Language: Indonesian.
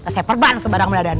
saya perban sebarang meladak